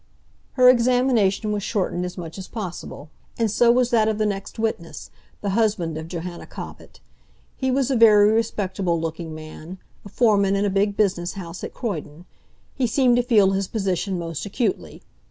Her examination was shortened as much as possible; and so was that of the next witness, the husband of Johanna Cobbett. He was a very respectable looking man, a foreman in a big business house at Croydon. He seemed to feel his position most acutely.